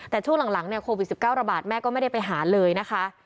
แต่ช่วงหลังเนี่ยโควิด๑๙ระบาดแม่ก็ไม่ได้ไปหาเลยนะคะ